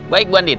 baik bu andin